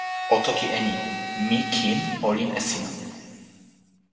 o toki e ni: mi kin olin e sina.